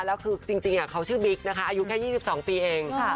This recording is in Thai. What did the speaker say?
แล้วคือจริงเขาชื่อบิ๊กนะคะอายุแค่๒๒ปีเอง